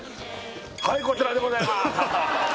はいこちらでございます